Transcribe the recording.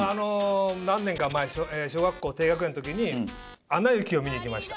何年か前小学校低学年の時に『アナ雪』を見に行きました。